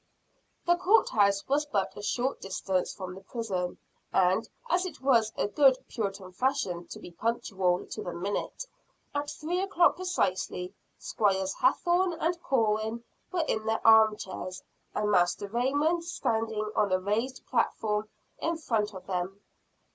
The Court House was but a short distance from the prison; and, as it was a good Puritan fashion to be punctual to the minute, at three o'clock precisely Squires Hathorne and Corwin were in their arm chairs, and Master Raymond standing on the raised platform in front of them.